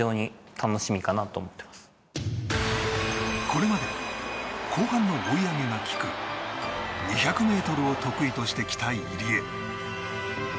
これまで後半の追い上げがきく２００ｍを得意としてきた入江。